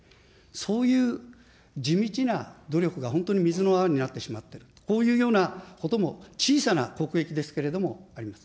そういう地道な努力が本当に水の泡になってしまっていると、こういうようなことも小さな国益ですけれども、あります。